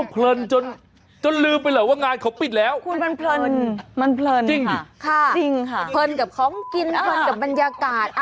เขากลับบ้านกันหมดแล้วนั่งคุยเหมือน